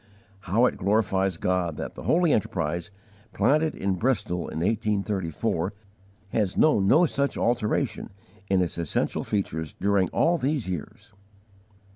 How it glorifies God that the holy enterprise, planted in Bristol in 1834, has known no such alteration in its essential features during all these years!